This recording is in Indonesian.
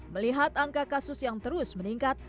melihat angka kasus yang terus meningkat